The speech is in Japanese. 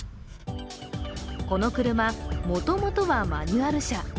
この車、もともとはマニュアル車。